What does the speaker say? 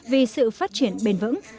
vì sự phát triển bền vững